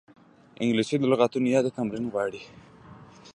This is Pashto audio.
انګلیسي د لغاتو یاد ته تمرین غواړي